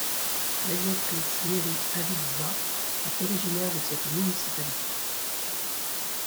L'aviatrice Meri Avidzba est originaire de cette municipalité.